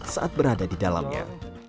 saat berada di dalamnya